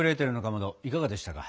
いかがでしたか？